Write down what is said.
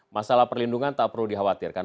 masalah perlindungan tak perlu dikhawatirkan